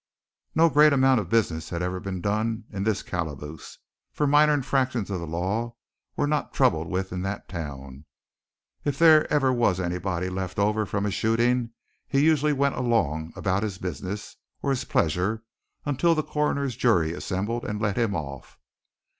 No great amount of business ever had been done in this calaboose, for minor infractions of the law were not troubled with in that town. If there ever was anybody left over from a shooting he usually went along about his business or his pleasure until the coroner's jury assembled and let him off.